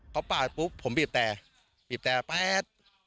เขาปาดปุ๊บผมบีบแต่บีบแต่แป๊ด